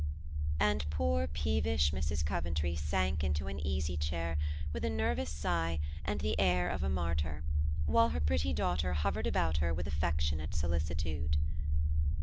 And poor, peevish Mrs. Coventry sank into an easy chair with a nervous sigh and the air of a martyr, while her pretty daughter hovered about her with affectionate solicitude.